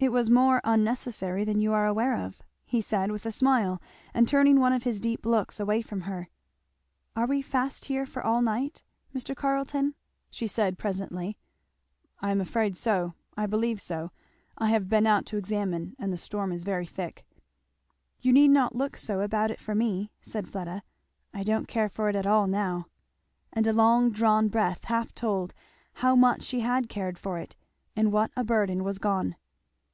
"It was more unnecessary than you are aware off," he said with a smile and turning one of his deep looks away from her. "Are we fast here for all night, Mr. Carleton?" she said presently. "I am afraid so I believe so I have been out to examine and the storm is very thick." "You need not look so about it for me," said Fleda; "I don't care for it at all now." And a long drawn breath half told how much she had cared for it, and what a burden was gone.